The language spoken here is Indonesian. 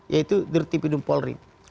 yaitu di tidum polri